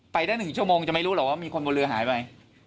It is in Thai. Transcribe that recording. ไปได้๑ชั่วโมงจะไม่รู้หรอกว่ามีคนบนเรือหายไป